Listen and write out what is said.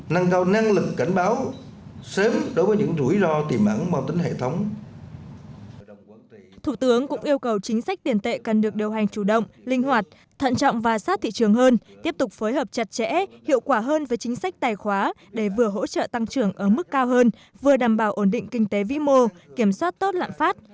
ngân hàng cũng yêu cầu chính sách tiền tệ cần được điều hành chủ động linh hoạt thận trọng và sát thị trường hơn tiếp tục phối hợp chặt chẽ hiệu quả hơn với chính sách tài khóa để vừa hỗ trợ tăng trưởng ở mức cao hơn vừa đảm bảo ổn định kinh tế vĩ mô kiểm soát tốt lãng phát